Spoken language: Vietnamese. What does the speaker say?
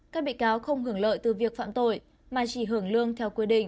các bị cáo không hưởng lợi từ việc phạm tội mà chỉ hưởng lương theo quy định